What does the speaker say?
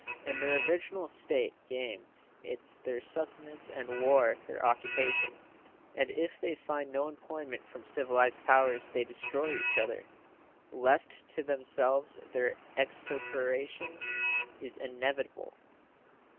In their original state game is their sustenance and war their occupation, and if they find no employment from civilized powers they destroy each other. Left to themselves their extirpation is inevitable.